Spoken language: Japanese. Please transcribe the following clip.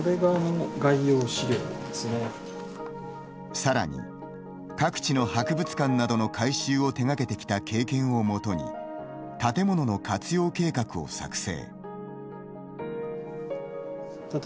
さらに各地の博物館などの改修を手がけてきた経験をもとに建物の活用計画を作成。